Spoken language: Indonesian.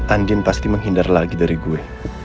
anjin pasti menghindar lagi dari gue